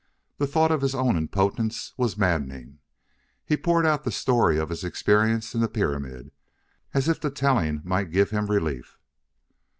The thought of his own impotence was maddening. He poured out the story of his experience in the pyramid, as if the telling might give him relief.